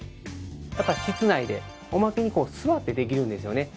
やっぱり室内でおまけに座ってできるんですよね。